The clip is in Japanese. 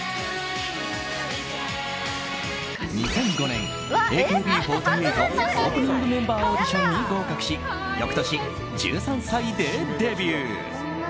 ２００５年ＡＫＢ４８オープニングメンバーオーディションに合格し翌年、１３歳でデビュー。